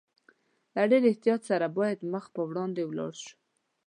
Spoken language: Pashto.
له ډېر احتیاط سره باید مخ پر وړاندې ولاړ شو.